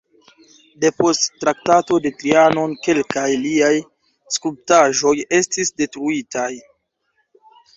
Depost Traktato de Trianon kelkaj liaj skulptaĵoj estis detruitaj.